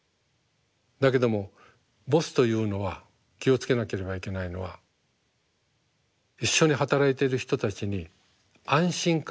だけどもボスというのは気を付けなければいけないのは一緒に働いてる人たちに安心感を与える人。